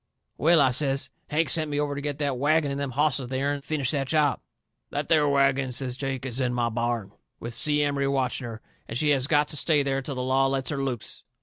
"Well," I says, "Hank sent me over to get that wagon and them hosses of theirn and finish that job." "That there wagon," says Jake, "is in my barn, with Si Emery watching her, and she has got to stay there till the law lets her loose."